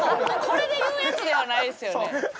これで言うやつではないですよね。